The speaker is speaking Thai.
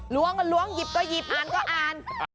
ล้วงก็ล้วงหยิบก็หยิบอ่านก็อ่าน